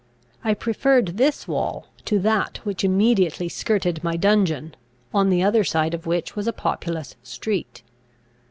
I preferred this wall to that which immediately skirted my dungeon, on the other side of which was a populous street.